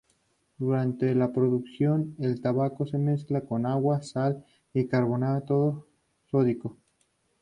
Durante la producción, el tabaco se mezcla con agua, sal y carbonato sódico.